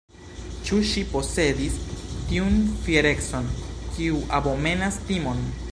Ĉu ŝi posedis tiun fierecon, kiu abomenas timon?